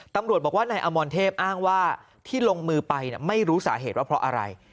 ตำรวจบอกว่านายอมรเทพอ้างว่าที่ลงมือไปไม่รู้สาเหตุว่าเพราะอะไร